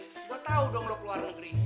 gua tau dong lo keluar negeri